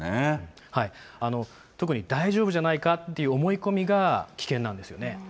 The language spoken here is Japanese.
特に、大丈夫じゃないかという思い込みが危険なんですよね。